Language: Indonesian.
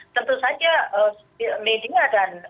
tentu saja media dan